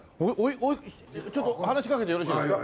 ちょっと話しかけてよろしいですか？